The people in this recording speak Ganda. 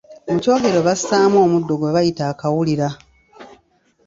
Mu kyogero bassaamu omuddo gwe bayita akawulira.